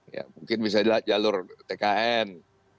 ya mungkin bisa dilihat jalur tkn